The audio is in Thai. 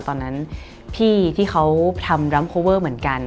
ตอนนั้นพี่ที่เขาทำรัมโคเวอร์เหมือนกัน